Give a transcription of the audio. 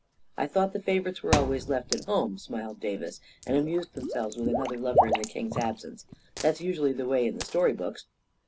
" I thought the favorites were always left at home," smiled Davis, " and amused themselves with another lover in the king's absence. That's usually the way in the story books."